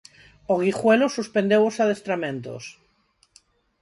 O Guijuelo suspendeu os adestramentos.